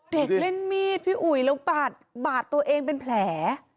เด็กเล่นมีดพี่อุ๋ยแล้วบาดบาดตัวเองเป็นแผล